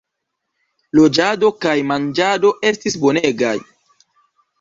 Loĝado kaj manĝado estis bonegaj.